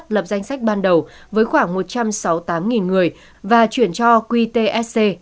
quận bốn đã giả soát danh sách ban đầu với khoảng một trăm sáu mươi tám người và chuyển cho quy tsc